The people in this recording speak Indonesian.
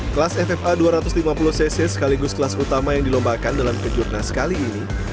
kelas ffa dua ratus lima puluh cc sekaligus kelas utama yang dilombakan dalam kejurnas kali ini